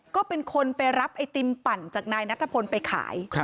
ก็เป็นคนไปรับไอติมปั่นจากนายนัทพลไปขาย